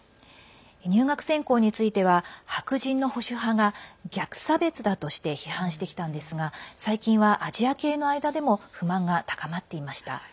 入学選考については白人の保守派が逆差別だとして批判してきたんですが最近は、アジア系の間でも不満が高まっていました。